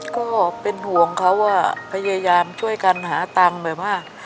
ก็เป็นห่วงเขาว่าพยายามช่วยกันหาตังค์แบบว่า